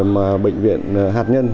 mà bệnh viện hạt nhân